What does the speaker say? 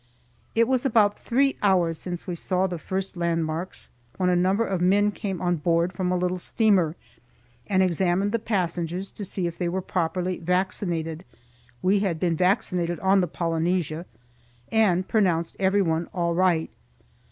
It was about three hours since we saw the first landmarks, when a number of men came on board, from a little steamer, and examined the passengers to see if they were properly vaccinated (we had been vaccinated on the "Polynesia"), and pronounced everyone all right.